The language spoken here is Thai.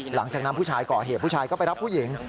หลังจากนั้นผู้ชายก่อเหตุผู้ชายก็ไปรับผู้หญิง